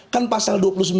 kan pasal dua puluh sembilan